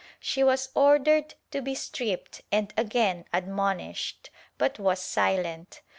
She was ordered to be stripped and again admonished, but was silent.